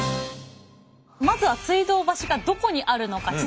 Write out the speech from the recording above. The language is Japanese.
まずは水道橋がどこにあるのか